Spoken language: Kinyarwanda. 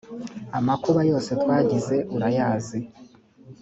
amakuba yose twagize urayazi.